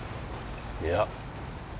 いや